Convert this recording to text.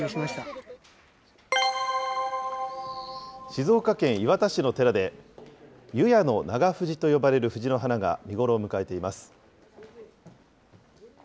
静岡県磐田市の寺で、熊野の長藤と呼ばれる藤の花が見頃を迎えています。